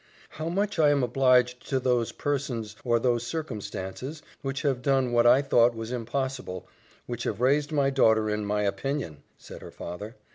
"How much I am obliged to those persons or those circumstances, which have done what I thought was impossible, which have raised my daughter in my opinion!" said her father.